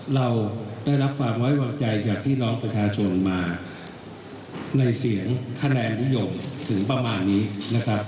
เราได้รับความไว้วางใจจากพี่น้องประชาชนมาในเสียงคะแนนนิยมถึงประมาณนี้นะครับ